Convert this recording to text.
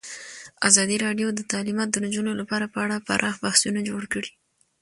ازادي راډیو د تعلیمات د نجونو لپاره په اړه پراخ بحثونه جوړ کړي.